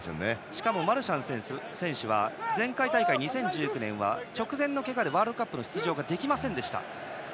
しかもマルシャン選手は前回大会の２０１９年は直前のけがでワールドカップの出場ができませんでした。